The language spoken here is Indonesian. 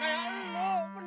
ya allah ketemu juga